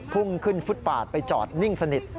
พุ่งขึ้นฟุตปาดไปจอดนิ่งสนิท